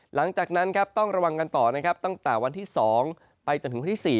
หลังจากนั้นครับต้องระวังกันต่อนะครับตั้งแต่วันที่๒ไปจนถึงวันที่๔